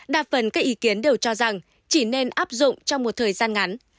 đa phần các ý kiến đều cho rằng chỉ nên áp dụng trong một thời gian ngắn